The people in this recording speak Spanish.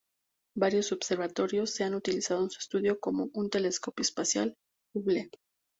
Varios observatorios se han utilizado en su estudio, como el telescopio espacial Hubble.